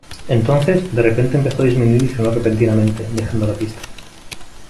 Entonces, de repente empezó a disminuir y frenó repentinamente, dejando la pista.